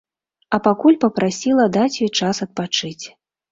А пакуль папрасіла даць ёй час адпачыць.